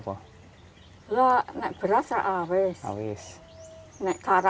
tidak beras itu sudah lama